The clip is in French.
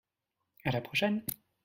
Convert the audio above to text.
À la prochaine.